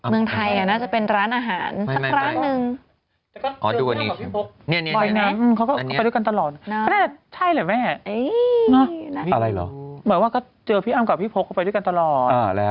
เหมือนว่าจะเจอว่าพี่อ้ำก็พี่ปกคูยันไปด้วยกันตลอด